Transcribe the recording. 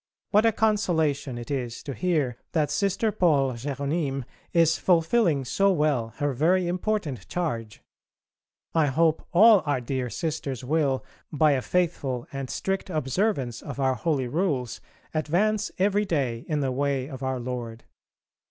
What a consolation it is to hear that Sister Paule Jéronyme is fulfilling so well her very important charge. I hope all our dear Sisters will by a faithful and strict observance of our holy Rules advance every day in the way of Our Lord.